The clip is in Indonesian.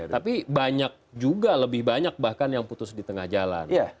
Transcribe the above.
tapi banyak juga lebih banyak bahkan yang putus di tengah jalan